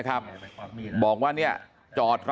มันต้องการมาหาเรื่องมันจะมาแทงนะ